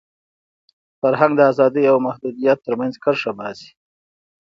فرهنګ د ازادۍ او محدودیت تر منځ کرښه باسي.